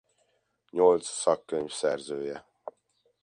Nyolc szakkönyv szerzője.